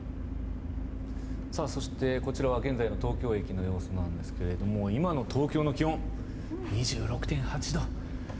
そして、こちらは現在の東京駅の様子ですが今の東京の気温２６．８度。